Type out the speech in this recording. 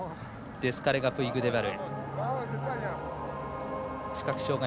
デスカレガプイグデバル。